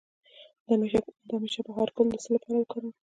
د همیش بهار ګل د څه لپاره وکاروم؟